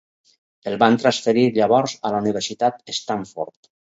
El van transferir llavors a la Universitat Stanford.